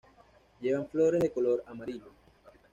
Llevan flores de color amarillo.